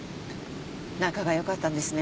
仲がよかったんですね。